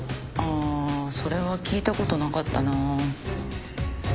あそれは聞いたことなかったな。